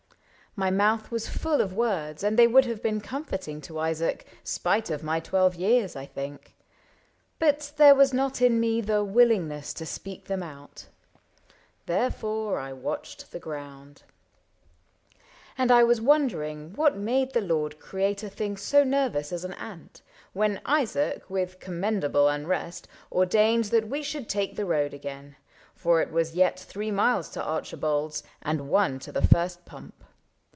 My mouth was full Of words, and they would have been comforting To Isaac, spite of my twelve years, I think ; But there was not in me the willingness To speak them out. Therefore I watched the ground ; And I was wondering what made the Lord \/ 90 ISAAC AND ARCHIBALD Create a thing so nervous as an ant, When Isaac, with commendable unrest, Ordained that we should take the road again — For it was yet three miles to Archibald^ And one to the first pump.